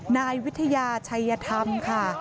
นายวิทยาชัยธรรมค่ะ